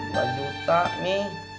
dua juta mi